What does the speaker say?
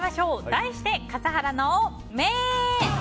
題して笠原の眼！